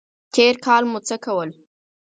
تېر کال مو څه کول؟